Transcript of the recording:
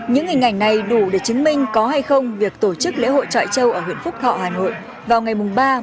những hình ảnh này đủ để chứng minh có hay không việc tổ chức lễ hội chọi châu ở huyện phúc thọ hà nội vào ngày ba bốn chín hai nghìn một mươi sáu